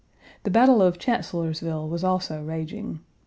The battle of Chancellorsville was also raging.